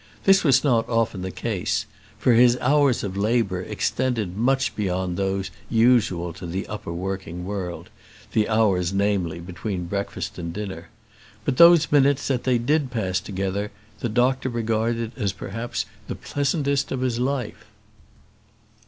This was not often the case, for his hours of labour extended much beyond those usual to the upper working world, the hours, namely, between breakfast and dinner; but those minutes that they did thus pass together, the doctor regarded as perhaps the pleasantest of his life.